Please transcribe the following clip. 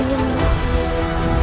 yang menjaga semua rwelangi